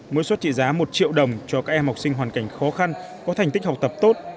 mỗi suất trị giá một triệu đồng cho các em học sinh hoàn cảnh khó khăn có thành tích học tập tốt